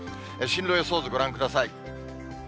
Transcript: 進路予想図ご覧ください。